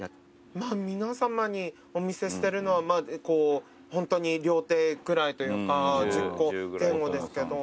皆さまにお見せしてるのはホントに両手くらいというか１０個前後ですけど。